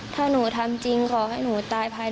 ถ้าหนูทำจริงขอให้หนูตายภาย